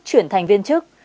chuyển thành viên chức